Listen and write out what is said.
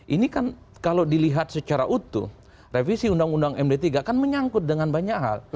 ini kan kalau dilihat secara utuh revisi undang undang md tiga kan menyangkut dengan banyak hal